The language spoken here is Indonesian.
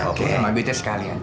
oke sama guitnya sekalian